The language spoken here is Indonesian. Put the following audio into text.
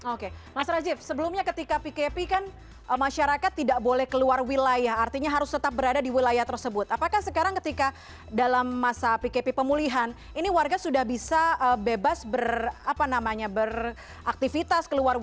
oke mas rajif sebelumnya ketika pkp kan masyarakat tidak boleh keluar wilayah artinya harus tetap berada di wilayah tersebut apakah sekarang ketika dalam masa pkp pemulihan ini warga sudah bisa bebas beraktivitas